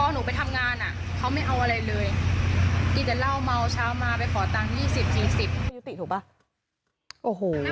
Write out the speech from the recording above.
ห๋อแล้วอ่ะพอแล้วกูพอแล้วกูได้ยินเสียงหัวมึงอะนะ